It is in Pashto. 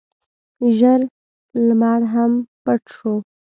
ژړ لمر هم پټ شو.